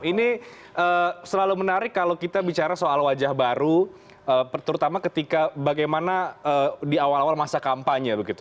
ini selalu menarik kalau kita bicara soal wajah baru terutama ketika bagaimana di awal awal masa kampanye begitu